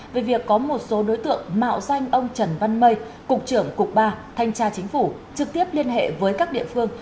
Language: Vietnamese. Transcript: về việc có một số đối tượng mạo danh ông trần văn mây cục trưởng cục ba thanh tra chính phủ trực tiếp liên hệ với các địa phương